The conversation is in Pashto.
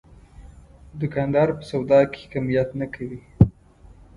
دوکاندار په سودا کې کمیت نه کوي.